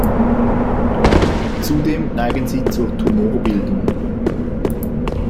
Zudem neigen sie zur Tumorbildung.